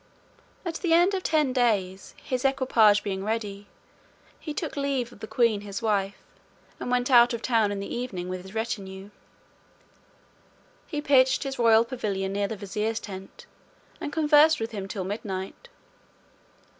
At the end of ten days, his equipage being ready, he took leave of the queen his wife, and went out of town in the evening with his retinue. He pitched his royal pavilion near the vizier's tent, and conversed with him till midnight.